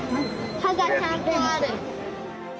歯がちゃんとある。